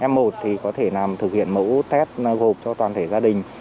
f một thì có thể làm thực hiện mẫu test gộp cho toàn thể gia đình